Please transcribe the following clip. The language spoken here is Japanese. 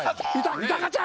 豊ちゃん！